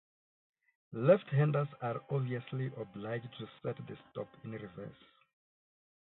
Left handers are obviously obliged to set the stop in reverse.